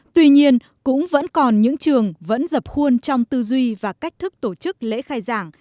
tuy nhiên cũng vẫn còn những trường vẫn dập khuôn trong tư duy và cách thức tổ chức lễ khai giảng